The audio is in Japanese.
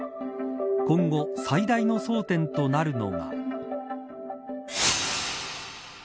今後、最大の争点となるのが。